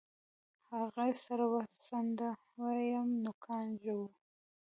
هغې سر وڅنډه ويم نوکان ژوو.